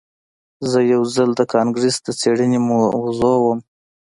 زه یو ځل د کانګرس د څیړنې موضوع وم